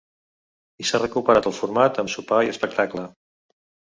I s’ha recuperat el format amb sopar i espectacle.